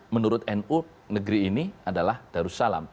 menurut nu negeri ini adalah darussalam